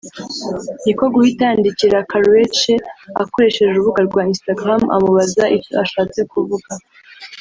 niko guhita yandikira Karrueche akoresheje urubuga rwa Instagram amubaza icyo ashatse kuvuga